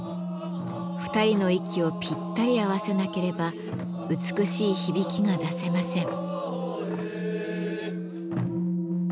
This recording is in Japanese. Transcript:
２人の息をぴったり合わせなければ美しい響きが出せません。